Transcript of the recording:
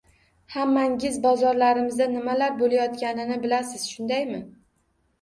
Hammangiz bozorlarimizda nimalar bo‘layotganini bilasiz, shundaymi?